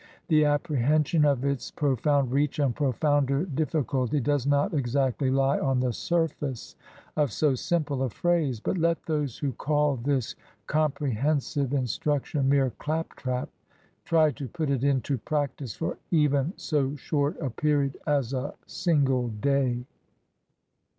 The apprehension of its profound reach and profounder diffi culty does not exactly lie on the surface of so simple a phrase; but let those who call this comprehensive in struction mere " claptrap" try to put it into practice for even so short a period as a single day.